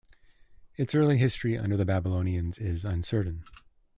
Its early history under the Babylonians is uncertain.